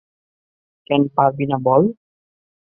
কেন পারবি না বল।